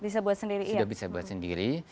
sudah bisa buat sendiri